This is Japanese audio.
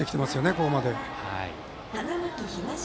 ここまで。